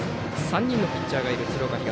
３人のピッチャーがいる鶴岡東。